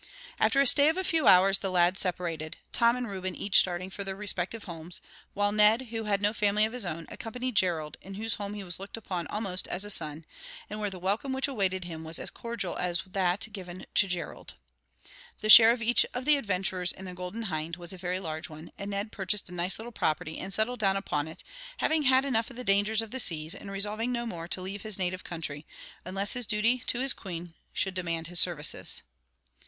After a stay of a few hours the lads separated, Tom and Reuben each starting for their respective homes, while Ned, who had no family of his own, accompanied Gerald, in whose home he was looked upon almost as a son, and where the welcome which awaited him was as cordial as that given to Gerald. The share of each of the adventurers in the Golden Hind was a very large one, and Ned purchased a nice little property and settled down upon it, having had enough of the dangers of the seas, and resolving no more to leave his native country, unless his duty to his Queen should demand his services.